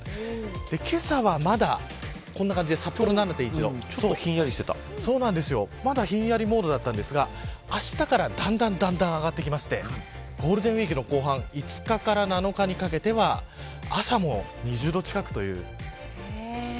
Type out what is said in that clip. けさは、まだこんな感じで札幌は７．１度まだひんやりモードだったんですがあしたからだんだんだんだん上がってきましてゴールデンウイークの後半では全国のお天気を見ていきます。